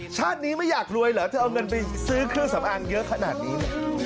ชาตินี้ไม่อยากรวยเหรอเธอเอาเงินไปซื้อเครื่องสำอางเยอะขนาดนี้